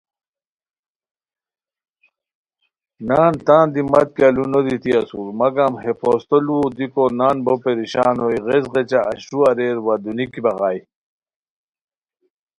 نان تان دی مت کیہُ لو نو دیتی اسورمگم ہے پھوستو ُلوؤ دیکو نان بو پریشان ہوئے غیچ غیچہ اشرو اریر وا دونیکی بغائے